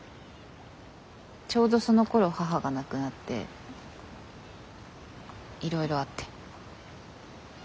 ちょうどそのころ母が亡くなっていろいろあって。